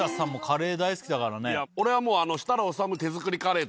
俺はもう。